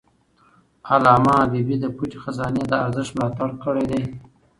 علامه حبيبي د پټه خزانه د ارزښت ملاتړ کړی دی.